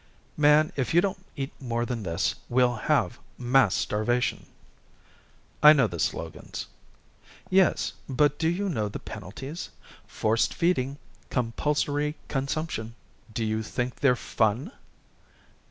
"Man, if you don't eat more than this, we'll have mass starvation!" "I know the slogans." "Yes, but do you know the penalties? Forced feeding, compulsory consumption do you think they're fun?"